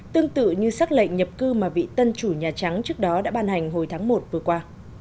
tương tự như xác lệnh nhập cư mà vị tân chủ nhà trắng trước đó đã ban hành hồi tháng một vừa qua